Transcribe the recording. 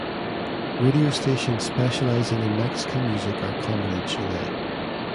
Radio stations specializing in Mexican music are common in Chile.